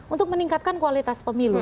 untuk meningkatkan kualitas pemilu